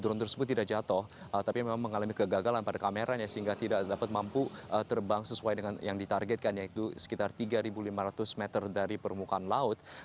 drone tersebut tidak jatuh tapi memang mengalami kegagalan pada kameranya sehingga tidak dapat mampu terbang sesuai dengan yang ditargetkan yaitu sekitar tiga lima ratus meter dari permukaan laut